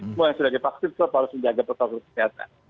semua yang sudah dipaksin harus menjaga protokol kesehatan